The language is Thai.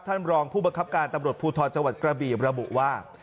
ท่านรองผู้บังคับการตำรวจภูทรจังหวัดกระบีระบุว่า